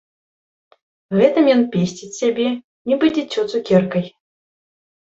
Гэтым ён песціць сябе, нібы дзіцё цукеркай.